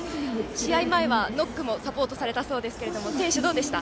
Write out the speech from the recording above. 試合前はノックのサポートもされたそうですけど選手どうでした？